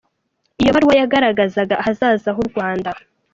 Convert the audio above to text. Iyo baruwa yagaragazaga ahazaza h’u Rwanda.